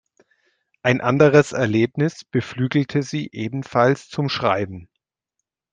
Ein anderes Erlebnis beflügelte sie ebenfalls zum Schreiben.